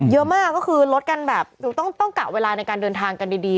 เยอะมากก็คือลดกันแบบต้องกะเวลาในการเดินทางกันดี